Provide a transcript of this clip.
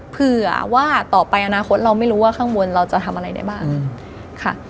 เผื่อว่าต่อไปอนาคตเราไม่รู้ว่าข้างบนเราจะทำอะไรได้บ้างค่ะ